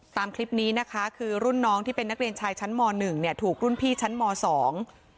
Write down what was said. ตามคลิปนี้นะคะคือรุ่นน้องที่เป็นนักเรียนชายชั้นมหนึ่งเนี่ยถูกรุ่นพี่ชั้นมสอง